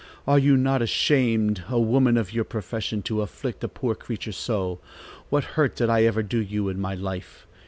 Are you not ashamed, a woman of your profession, to afflict a poor creature so? What hurt did I ever do you in my life?